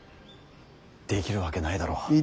できるわけないだろう。